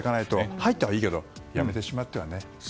入ったはいいけど辞めてしまってはね。